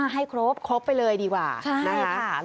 ให้ครบครบไปเลยดีกว่านะคะใช่ค่ะใช่ค่ะ